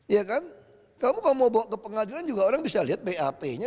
ya kan kamu kalau mau bawa ke pengadilan juga orang bisa lihat bap nya